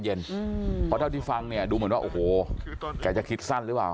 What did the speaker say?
เพราะเท่าที่ฟังเนี่ยดูเหมือนว่าโอ้โหแกจะคิดสั้นหรือเปล่า